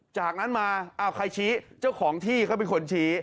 จากนั้นมาอ้าวใครชี้เจ้าของที่เขาเป็นคนชี้